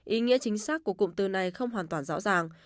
ý nghĩa chính xác của cụm từ này không hoàn toàn rõ ràng